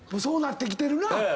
そうなってきてるなぁ。